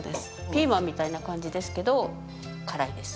ピーマンみたいな感じですけど辛いです